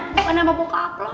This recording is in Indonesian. bukan sama bokap lo